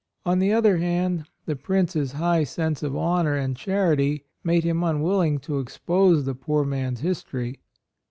On the other hand, the Prince's high sense of honor and charity made him unwilling to expose the poor man's history.